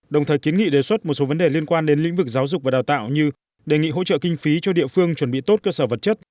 đồng thời kiến nghị đề xuất một số vấn đề liên quan đến lĩnh vực giáo dục và đào tạo như đề nghị hỗ trợ kinh phí cho địa phương chuẩn bị tốt cơ sở vật chất